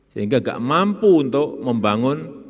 sehingga gak mampu untuk membangun